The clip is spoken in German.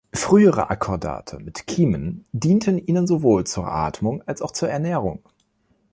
Frühere Akkordate mit Kiemen dienten ihnen sowohl zur Atmung als auch zur Ernährung.